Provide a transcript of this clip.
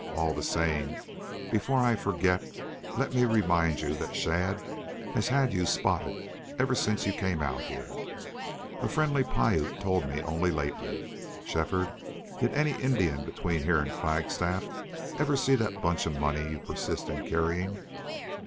All the same, before I forget, let me remind you that Shadd has had you spotted ever since you came out here. A friendly Piute told me only lately. Shefford, did any Indian between here and Flagstaff ever see that bunch of money you persist in carrying?"